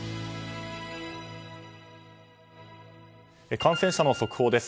感染者の速報です。